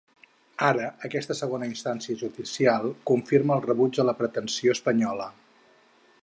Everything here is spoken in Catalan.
Ara aquesta segona instància judicial confirma el rebuig a la pretensió espanyola.